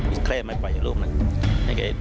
อีกแคละไม่ไปเลยนะ